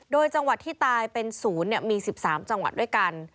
โดยจังหวัดที่ตายเป็นศูนย์มี๑๓จังหวัดด้วยกัน